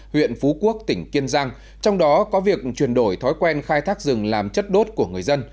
huyện phú quốc tỉnh kiên giang trong đó có việc chuyển đổi thói quen khai thác rừng làm chất đốt của người dân